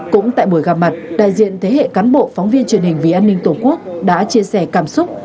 cũng tại buổi gặp mặt đại diện thế hệ cán bộ phóng viên truyền hình vì an ninh tổ quốc đã chia sẻ cảm xúc